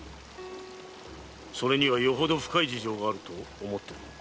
それにはよほど深い事情があると思っている。